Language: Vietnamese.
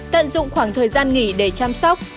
tận dụng khoảng thời gian nghỉ để chăm sóc